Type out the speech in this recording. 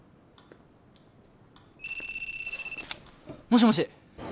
もしもし！